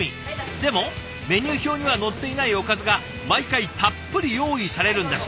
でもメニュー表には載っていないおかずが毎回たっぷり用意されるんです。